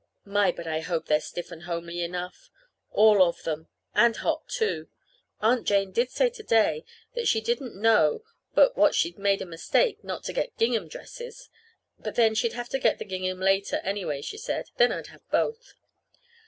My, but I hope they're stiff and homely enough all of them! And hot, too. Aunt Jane did say to day that she didn't know but what she'd made a mistake not to get gingham dresses. But, then, she'd have to get the gingham later, anyway, she said; then I'd have both.